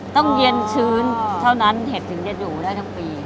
ต้องเย็นชื้นเท่านั้นเห็ดถึงจะอยู่ได้ทั้งปี